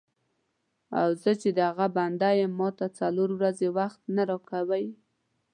او زه چې د هغه بنده یم ماته څلور ورځې وخت نه راکوې.